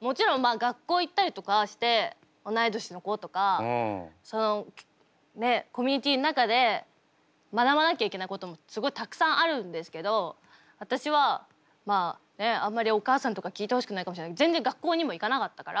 もちろん学校行ったりとかして同い年の子とかコミュニティーの中で学ばなきゃいけないこともすごいたくさんあるんですけど私はまああんまりお母さんとか聞いてほしくないかもしれないけど全然学校にも行かなかったから。